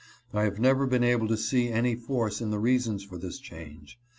I have never been able to see any force in the reasons for this change.